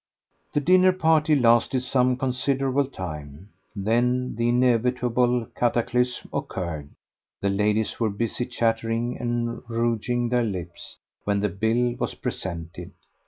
The dinner party lasted some considerable time; then the inevitable cataclysm occurred. The ladies were busy chattering and rouging their lips when the bill was presented.